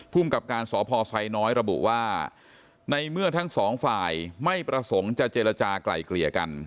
กับการสพไซน้อยระบุว่าในเมื่อทั้งสองฝ่ายไม่ประสงค์จะเจรจากลายเกลี่ยกัน